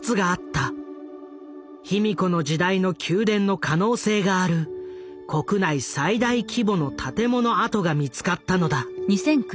卑弥呼の時代の宮殿の可能性がある国内最大規模の建物跡が見つかったのだ。